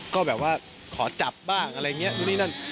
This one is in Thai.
ก็แบบว่าขอจับบ้างอะไรอย่างนี้นู่นนี่นั่น